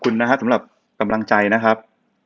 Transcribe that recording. คุณนะฮะสำหรับกำลังใจนะครับ